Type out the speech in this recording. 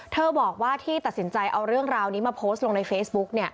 บอกว่าที่ตัดสินใจเอาเรื่องราวนี้มาโพสต์ลงในเฟซบุ๊ก